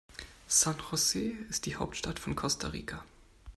San José ist die Hauptstadt von Costa Rica.